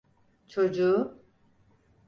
Çocuğu…